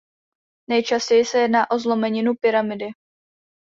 Nejčastěji se jedná o zlomeninu pyramidy.